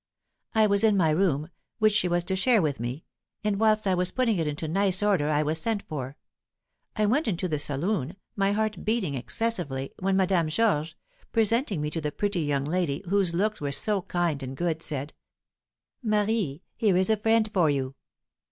I was in my room, which she was to share with me; and, whilst I was putting it into nice order I was sent for. I went into the saloon, my heart beating excessively, when Madame Georges, presenting me to the pretty young lady, whose looks were so kind and good, said, 'Marie, here is a friend for you.'